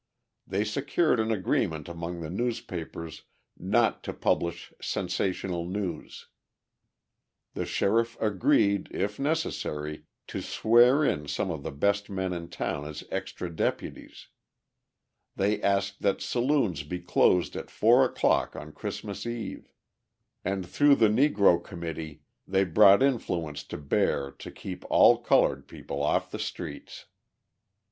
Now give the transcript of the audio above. They secured an agreement among the newspapers not to publish sensational news; the sheriff agreed, if necessary, to swear in some of the best men in town as extra deputies; they asked that saloons be closed at four o'clock on Christmas Eve; and through the Negro committee, they brought influence to bear to keep all coloured people off the streets.